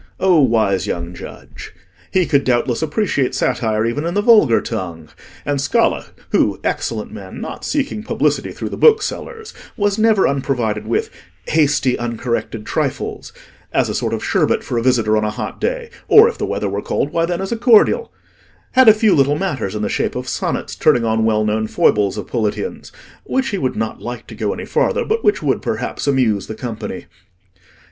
O wise young judge! He could doubtless appreciate satire even in the vulgar tongue, and Scala—who, excellent man, not seeking publicity through the booksellers, was never unprovided with "hasty uncorrected trifles," as a sort of sherbet for a visitor on a hot day, or, if the weather were cold, why then as a cordial—had a few little matters in the shape of Sonnets, turning on well known foibles of Politian's, which he would not like to go any farther, but which would, perhaps, amuse the company.